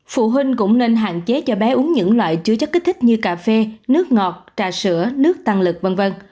phụ huynh cũng nên hạn chế cho bé uống những loại chứa chất kích thích như cà phê nước ngọt trà sữa nước tăng lực v v